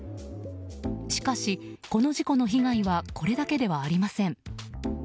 しかし、この事故の被害はこれだけではありません。